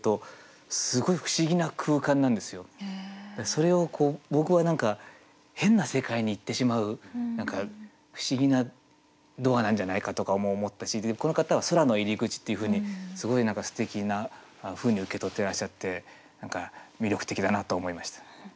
それをこう僕は何か変な世界に行ってしまう何か不思議なドアなんじゃないかとかも思ったしこの方は「空の入り口」っていうふうにすごい何かすてきなふうに受け取ってらっしゃって何か魅力的だなと思いました。